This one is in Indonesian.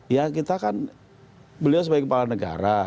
ya kita kan beliau sebagai kepala negara